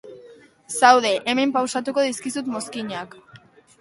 Zaude, hemen pausatuko dizkizut mozkinak.